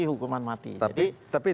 melakukan eksekusi hukuman mati